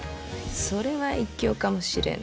それは一興かもしれぬ。